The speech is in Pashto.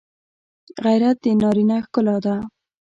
غیرت د نارینه ښکلا ده